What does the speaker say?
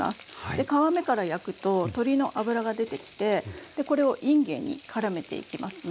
で皮目から焼くと鶏の脂が出てきてでこれをいんげんにからめていきますね。